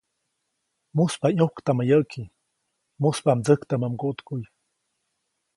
‒Muspa ʼyũktamä yäʼki, mujspa mdsäjktamä mguʼtkuʼy-.